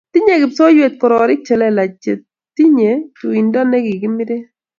Tinyei kipsoiwet kororik che lelach che tinyei tuindo ne kikimire